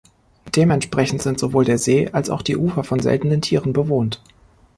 Dementsprechend sind sowohl der See als auch die Ufer von seltenen Tieren bewohnt.